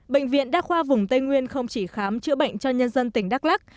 bệnh viện đắc khoa vùng tây nguyên không chỉ khám chữa bệnh cho nhân dân tỉnh đắc lắc